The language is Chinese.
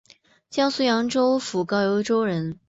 江苏扬州府高邮州人。